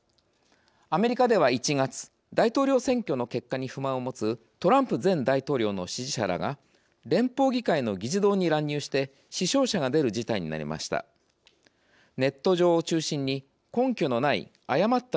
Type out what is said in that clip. アメリカでは、１月大統領選挙の結果に不満を持つトランプ前大統領の支持者らが連邦議会の議事堂に乱入して死傷者が出る事態になりました。